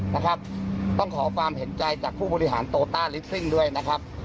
นะครับต้องขอความเห็นใจจากผู้บริหารโตต้าลิสซิ่งด้วยนะครับ